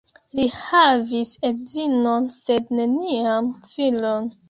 Li havis edzinon sed neniam filon.